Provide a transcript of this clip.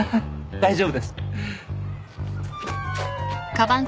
大丈夫です。